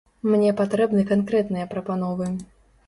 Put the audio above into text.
Мне патрэбны канкрэтныя прапановы.